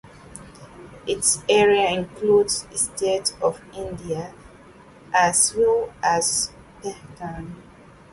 Its area includes states of India as well as Bhutan.